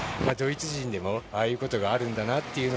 ドイツ人でもああいうことがあるんだなと。